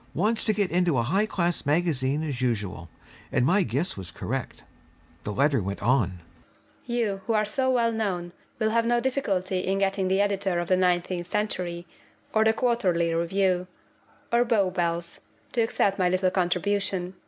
Wants to get it into a high class magazine, as usual.' And my guess was correct. The letter went on: '_You, who are so well known, will have no difficulty in getting the editor of the Nineteenth Century, or the Quarterly Review, or Bow Bells, to accept my little contribution.